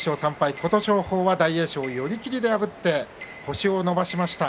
琴勝峰は大栄翔を破って星を伸ばしました。